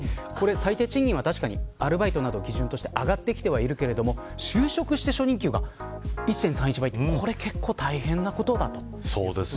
最低賃金は確かにアルバイトを基準として上がってきてはいますが就職して初任給が１．３１倍これは結構大変なことです。